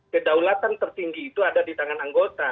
kedaulatan tertinggi itu ada di tangan anggota